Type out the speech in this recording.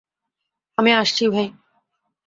আমি আসছি, ভাই।